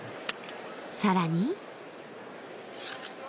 更に。